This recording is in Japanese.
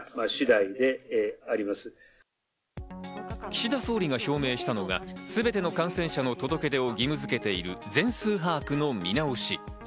岸田総理が表明したのが全ての感染者の届け出を義務付けている全数把握の見直し。